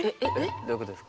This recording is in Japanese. どういうことですか？